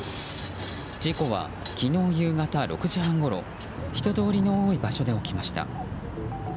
事故は、昨日夕方６時半ごろ人通りの多い場所で起きました。